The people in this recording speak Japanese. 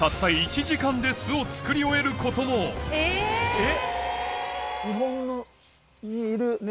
えっ！